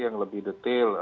yang lebih detail